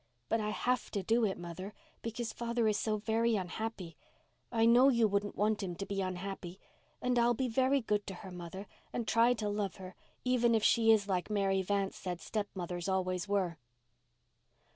But I have to do it, mother, because father is so very unhappy. I know you wouldn't want him to be unhappy. And I will be very good to her, mother, and try to love her, even if she is like Mary Vance said stepmothers always were."